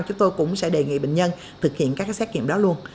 chúng tôi cũng sẽ đề nghị bệnh nhân thực hiện các xét nghiệm đó luôn